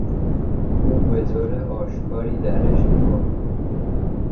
او به طور آشکاری در اشتباه بود.